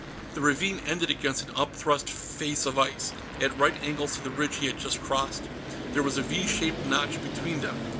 The ravine ended against an upthrust face of ice, at right angles to the ridge he had just crossed; there was a V shaped notch between them.